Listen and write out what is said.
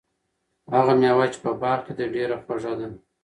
هغه مېوه چې په باغ کې ده، ډېره خوږه ده.